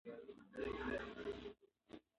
کرکه د ژوند ژغورنې وسیله ده.